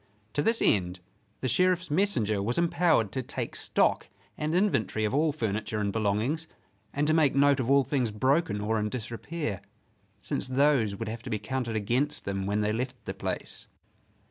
To this end the Sheriff's messenger was empowered to take stock and inventory of all furniture and belongings and to make note of all things broken or in disrepair, since those would have to be counted against them when they left the place.